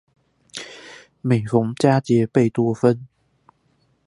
每逢佳節貝多芬